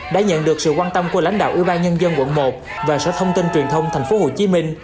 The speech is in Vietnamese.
đã nhận được sự quan tâm của lãnh đạo ủy ban nhân dân quận một và sở thông tin truyền thông tp hcm